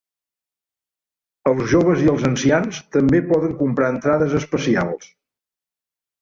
Els joves i els ancians també poden comprar entrades especials.